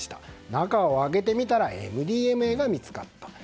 中を開けてみたらＭＤＭＡが見つかった。